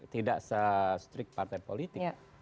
tidak setrik partai politik